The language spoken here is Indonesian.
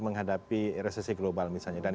menghadapi resesi global misalnya dan